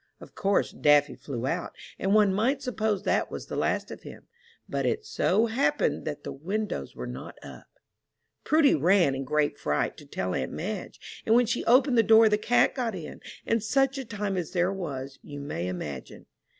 Of course Daffy flew out, and one might suppose that was the last of him; but it so happened that the windows were not up. Prudy ran, in great fright, to tell aunt Madge, and when she opened the door, the cat got in; and such a time as there was, you may imagine.